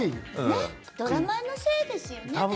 ドラマのせいですよね。